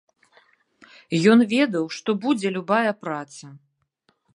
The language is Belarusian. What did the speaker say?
Ён ведаў, што будзе любая праца.